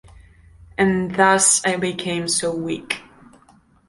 And thus I became so weak.